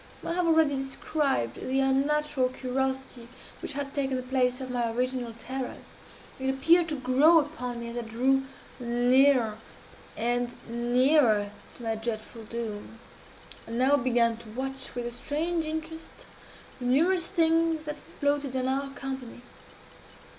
I have already described the unnatural curiosity which had taken the place of my original terrors. It appeared to grow upon me as I drew nearer and nearer to my dreadful doom. I now began to watch, with a strange interest, the numerous things that floated in our company.